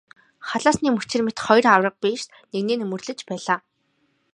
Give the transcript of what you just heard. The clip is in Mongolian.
Хайлаасны мөчир мэт хоёр аварга биес нэгнээ нөмөрлөж байлаа.